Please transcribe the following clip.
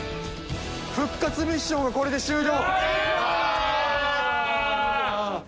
復活ミッションはこれで終了。